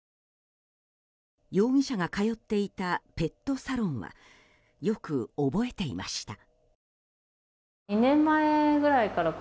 容疑者が通っていたペットサロンはよく覚えていました。